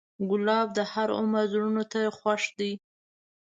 ګلاب د هر عمر زړونو ته خوښ دی.